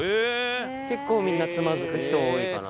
結構みんなつまずく人多いかな。